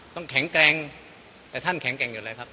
แข็งแกร่งแต่ท่านแข็งแกร่งอยู่แล้วครับ